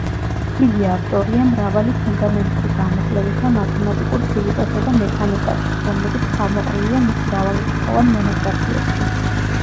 იგი ავტორია მრავალი ფუნდამენტური გამოკვლევისა მათემატიკურ ფიზიკასა და მექანიკაში, რომლებიც თავმოყრილია მის მრავალრიცხოვან მონოგრაფიებში.